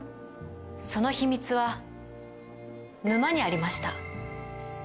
その秘密は沼にありました。